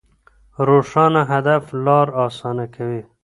روښانه هدف لار اسانه کوي.